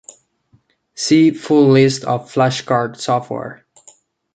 See full list of flashcard software.